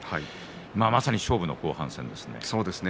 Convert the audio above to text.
まさに勝負の後半戦ですね。